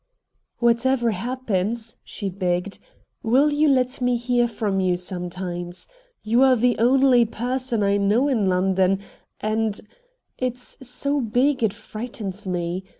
"Whatever happens," she begged, "will you let me hear from you sometimes? You are the only person I know in London and it's so big it frightens me.